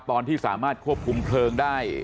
ตอนที่สามารถควบคุมเพลิงได้